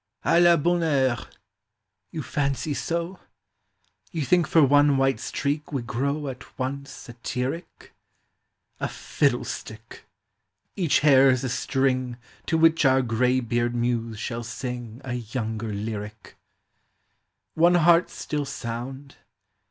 " A la bonne heure !" You fancy so ? You think for one white streak we grow At once satiric ? LIFE. 287 A fiddlestick ! Each hair 's a string To which our graybeard Muse shall sing A younger lyric. Our heart 's still sound.